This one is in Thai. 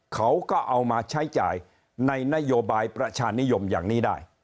เขาก็เอามาใช้จ่ายในนโยบายประชานิยมอย่างนี้ได้